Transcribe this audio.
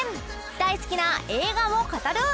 大好きな映画を語る！